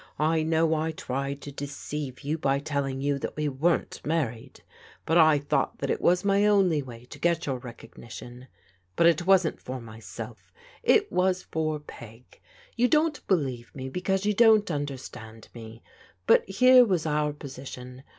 I know I tried to deceive you by telling you that we weren't married, but I thought that it was my only way to get your recognition. But it wasn't for myself, it was for Peg. You don't believe me because you don't understand me. But here was our position.